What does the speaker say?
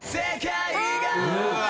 うわ！